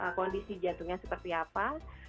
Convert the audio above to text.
kondisi jantungnya seperti apa